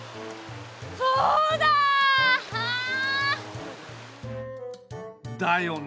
そうだ！あ！だよね。